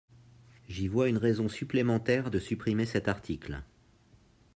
J’y vois une raison supplémentaire de supprimer cet article.